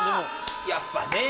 やっぱね。